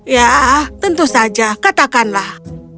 ya tentu saja katakanlah